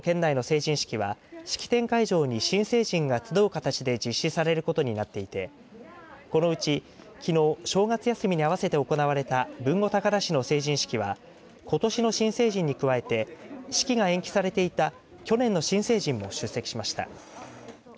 令和３年度の県内の成人式は式典会場に新成人が集う形で実施されることになっていてこのうち、きのう正月休みに合わせて行われた豊後高田市の成人式はことしの新成人に加えて式が延期されていた去年の新成人も出席しました。